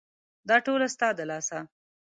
دا ټوله ستا د لاسه !